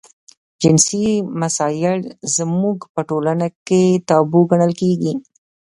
جنسي مسایل زموږ په ټولنه کې تابو ګڼل کېږي.